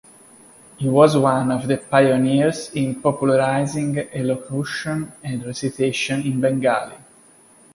He was one of the pioneers in popularizing elocution and recitation in Bengali.